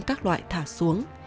các loại thả xuống